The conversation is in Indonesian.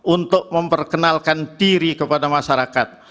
untuk memperkenalkan diri kepada masyarakat